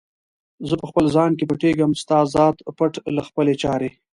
زه په خپل ځان کې پټیږم، ستا ذات پټ له خپلي چارې